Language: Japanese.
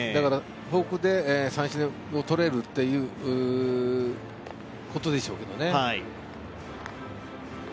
フォークで三振を取れるということでしょうね。